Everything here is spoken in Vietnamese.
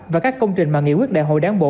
và các công trình mà nghị quyết đại hội đảng bộ